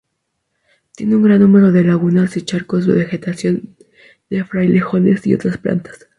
Tiene un gran número de lagunas, charcos y vegetación de frailejones y otras plantas.